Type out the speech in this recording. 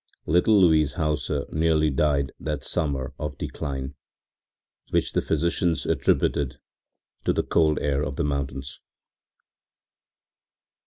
Little Louise Hauser nearly died that summer of decline, which the physicians attributed to the cold air of the mountains.